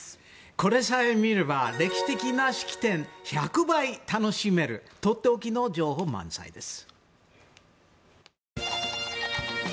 これさえ見れば歴史的な式典が１００倍楽しめるとっておきの情報満載です。